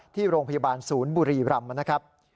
ที่โรงพยาบาลศูนย์บุรีรำนะครับ